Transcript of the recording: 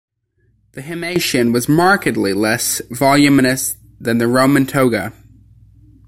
The himation was markedly less voluminous than the Roman toga.